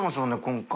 今回。